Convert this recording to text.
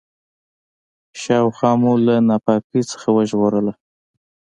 شاوخوا مو له ناپاکۍ څخه وژغورله.